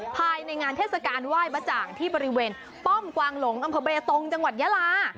ภายในงานเทศกาลไหว้บะจ่างที่บริเวณป้อมกวางหลงอำเภอเบตงจังหวัดยาลา